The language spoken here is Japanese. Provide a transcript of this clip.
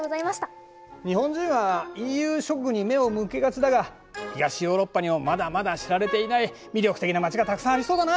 日本人はＥＵ諸国に目を向けがちだが東ヨーロッパにもまだまだ知られていない魅力的な街がたくさんありそうだな。